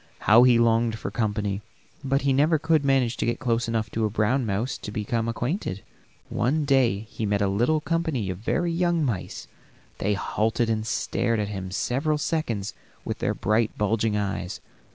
How he longed for company, but he never could manage to get close enough to a brown mouse to become acquainted. One day he met a little company of very young mice; they halted and stared at him several seconds with their bright, bulging eyes.